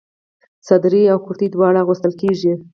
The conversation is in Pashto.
صدرۍ او کرتۍ دواړه اغوستل کيږي.